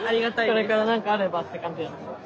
これから何かあればって感じです。